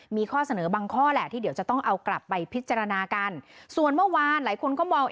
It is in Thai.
มีข้อเสนอบางข้อแหละที่เดี๋ยวจะต้องเอากลับไปพิจารณากันส่วนเมื่อวานหลายคนก็มอง